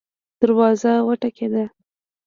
دروازه وټکیده